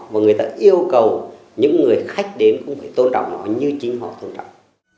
và người ta yêu cầu những người khách đến cũng phải tôn trọng nó như chính họ tôn trọng